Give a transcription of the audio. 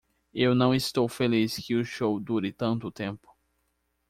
Eu não estou feliz que o show dure tanto tempo.